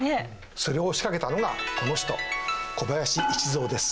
それを仕掛けたのがこの人小林一三です。